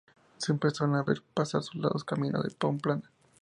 Se empezaron a ver pasar soldados camino de Pamplona.